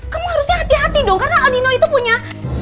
kamu harusnya hati hati dong karena aldino itu punya